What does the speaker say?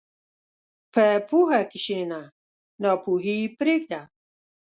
په پوهه کښېنه، ناپوهي پرېږده.